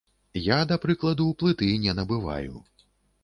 Я, да прыкладу, плыты не набываю.